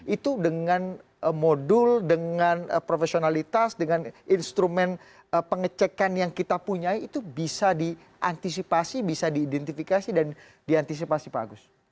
itu dengan modul dengan profesionalitas dengan instrumen pengecekan yang kita punya itu bisa diantisipasi bisa diidentifikasi dan diantisipasi pak agus